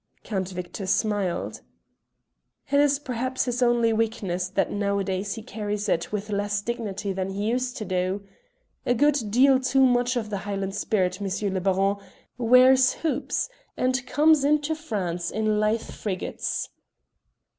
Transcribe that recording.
Count Victor smiled. "It is perhaps his only weakness that nowadays he carries it with less dignity than he used to do. A good deal too much of the Highland spirit, M. le Baron, wears hoops, and comes into France in Leith frigates."